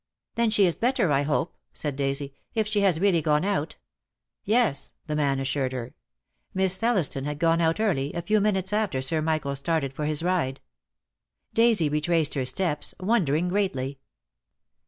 "Then she is better, I hope," said Daisy, "if she has really gone out." ,','^ "Yes," the man assured her. Miss Thelliston had gone out early, a few minutes after Sir Michael started for his ride. Daisy retraced her steps, wondering greatly.